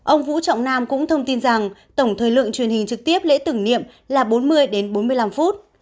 ông võ trọng nam cũng thông tin rằng tổng thời lượng truyền hình trực tiếp lễ tử nghiệm là bốn mươi bốn mươi năm phút